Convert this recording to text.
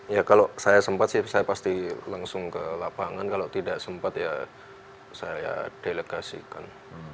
ya kalau saya sempat sih saya pasti langsung ke lapangan kalau tidak sempat ya saya delegasikan